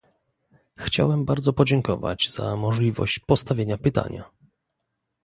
Chciałem bardzo podziękować za możliwość postawienia pytania